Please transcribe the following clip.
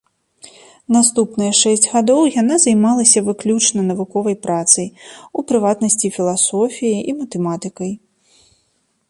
Наступныя шэсць гадоў яна займалася выключна навуковай працай, у прыватнасці філасофіяй і матэматыкай.